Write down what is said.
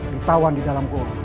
ditawan di dalam gol